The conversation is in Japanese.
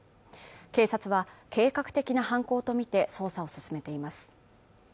警察は計画的な犯行とみて捜査を進めています